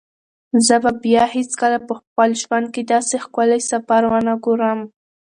زه به بیا هیڅکله په خپل ژوند کې داسې ښکلی سفر ونه ګورم.